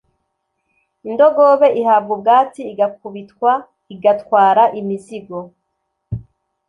Indogobe ihabwa ubwatsi, igakubitwa, igatwara imizigo,